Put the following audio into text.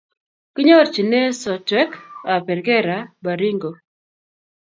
kinyorchine sotweekab perkera Baringo